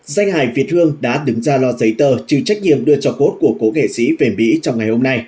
danh hải việt hương đã đứng ra lo giấy tờ trừ trách nhiệm đưa cho cốt của cố nghệ sĩ về mỹ trong ngày hôm nay